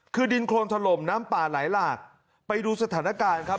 คือดินโครนถล่มน้ำป่าไหลหลากไปดูสถานการณ์ครับ